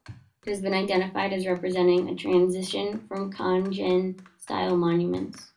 It has been identified as representing a transition from the Khan Jehan style monuments.